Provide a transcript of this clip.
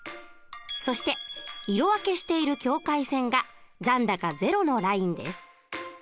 そして色分けしている境界線が残高ゼロのラインです。